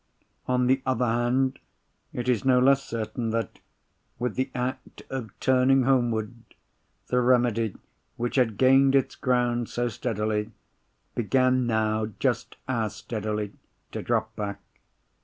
On the other hand, it is no less certain that, with the act of turning homeward, the remedy which had gained its ground so steadily, began now, just as steadily, to drop back.